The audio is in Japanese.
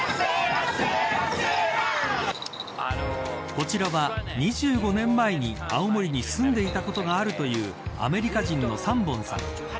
こちらは２５年前に青森に住んでいたことがあるというアメリカ人のサンボンさん。